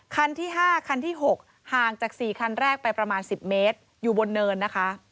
คันที่๕คันที่๖ห่างจาก๔คันแรกไปประมาณ๑๐เมตรอยู่บนเนินนะคะ